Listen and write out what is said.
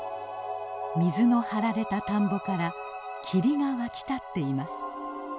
水の張られた田んぼから霧が湧き立っています。